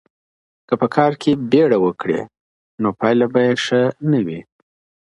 که په کار کي بیړه وکړې نو پایله به یې ښه نه وي.